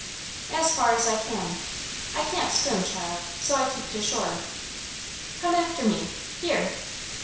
"As far as I can. I can't swim, child, so I keep to shore. Come after me, here!"